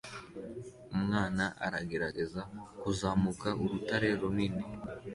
umwana aragerageza kuzamuka urutare runini